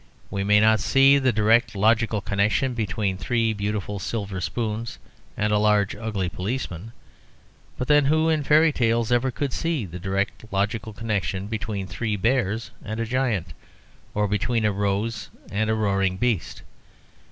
We may not see the direct logical connection between three beautiful silver spoons and a large ugly policeman; but then who in fairy tales ever could see the direct logical connection between three bears and a giant, or between a rose and a roaring beast?